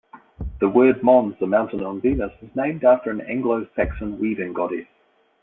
The Wyrd Mons, a mountain on Venus, is named after an "Anglo-Saxon weaving goddess".